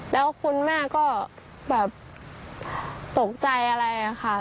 แล้วคุณแม่ก็แบบตกใจอะไรค่ะ